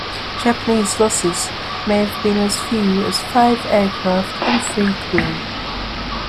Japanese losses may have been as few as five aircraft and three crew.